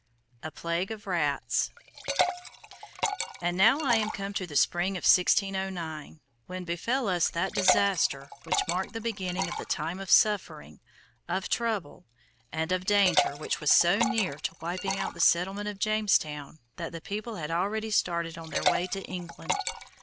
A PLAGUE OF RATS And now am I come to the spring of 1609, when befell us that disaster which marked the beginning of the time of suffering, of trouble, and of danger which was so near to wiping out the settlement of Jamestown that the people had already started on their way to England.